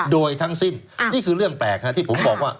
โดยทั้งสิ้นนี่คือเรื่องแปลกที่ผมบอกว่า